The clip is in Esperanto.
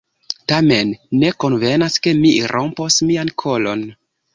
Tamen, ne konvenas, ke mi rompos mian kolon.